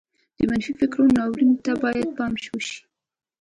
د منفي فکر ناورين ته بايد پام وشي.